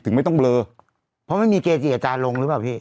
ไม่ต้องเบลอเพราะไม่มีเกจิอาจารย์ลงหรือเปล่าพี่